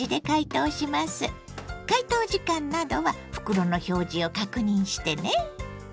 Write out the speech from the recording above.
解凍時間などは袋の表示を確認してね。